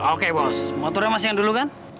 oke bos motornya masih yang dulu kan